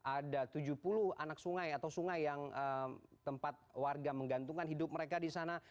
ada tujuh puluh anak sungai atau sungai yang tempat warga menggantungkan hidup mereka di sana